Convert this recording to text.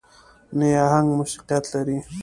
نه يې اهنګ موسيقيت لري.